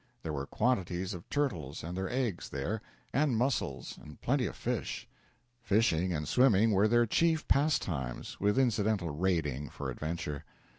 There were quantities of turtles and their eggs there, and mussels, and plenty of fish. Fishing and swimming were their chief pastimes, with incidental raiding, for adventure.